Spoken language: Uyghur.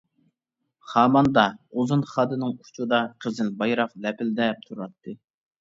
خاماندا، ئۇزۇن خادىنىڭ ئۇچىدا قىزىل بايراق لەپىلدەپ تۇراتتى.